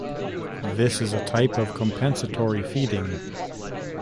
This is a type of compensatory feeding.